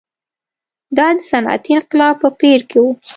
دا د صنعتي انقلاب په پېر کې و.